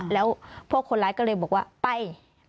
แล้วพวกคนร้ายก็เลยบอกว่าไป